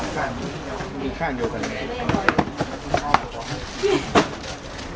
คนช่วยอายุคุณหน้า